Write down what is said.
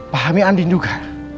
pahami andin juga